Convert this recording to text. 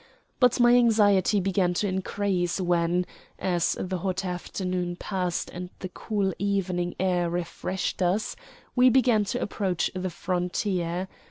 But my anxiety began to increase when, as the hot afternoon passed and the cool evening air refreshed us, we began to approach the frontier.